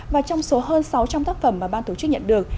và trong số hơn sáu trăm linh tác phẩm mà ban tổ chức nhận được